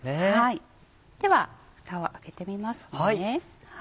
ではふたを開けてみますね。